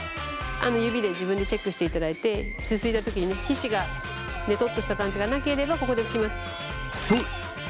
指で自分でチェックしていただいてすすいだ時にね皮脂がねとっとした感じがなければここで拭きます。